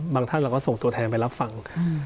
ท่านเราก็ส่งตัวแทนไปรับฟัง